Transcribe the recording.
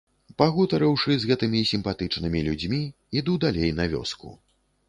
Пагутарыўшы з гэтымі сімпатычнымі людзьмі, іду далей на вёску.